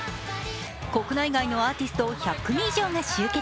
国内外のアーティスト１００組以上が集結。